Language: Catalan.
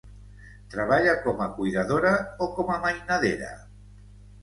Treballa com a cuidadora o com a mainadera?